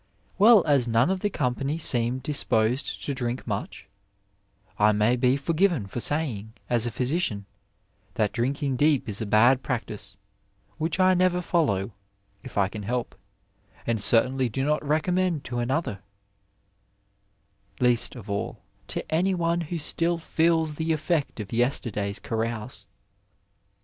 Well, as none of the company seem disposed to drink much, I may be forgiven for saying, as a physician, that drinking deep is a bad practice, which I never follow, if I can help, and certainly do not recommend to another, least of all to any one who still feels the effect of yester day's carouse."